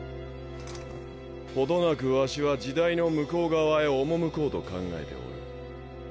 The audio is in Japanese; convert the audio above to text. ほどなくワシは時代の向こう側へ赴こうと考えておる。